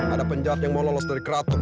ada penjahat yang mau lolos dari keraton